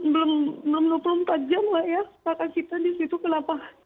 belum dua puluh empat jam lah ya kakak kita di situ kenapa